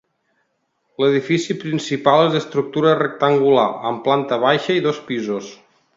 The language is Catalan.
L'edifici principal és d'estructura rectangular amb planta baixa i dos pisos.